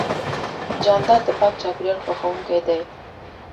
جانداد د پاک چاپېریال خوښوونکی دی.